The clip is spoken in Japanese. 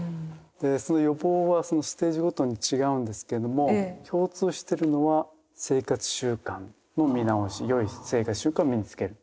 でその予防はそのステージごとに違うんですけども共通してるのは生活習慣の見直し良い生活習慣を身に付ける。